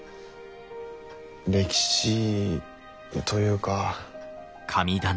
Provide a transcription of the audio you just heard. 歴史というか。